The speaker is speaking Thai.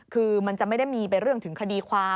คือมันจะไม่ได้มีไปเรื่องถึงคดีความ